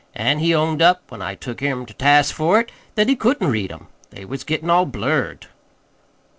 An' he owned up, when I took him ter task for it, that he couldn't read 'em. They was gettin' all blurred."